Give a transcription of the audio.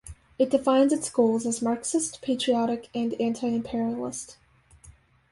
It defines its goals as Marxist, patriotic, and anti-imperialist.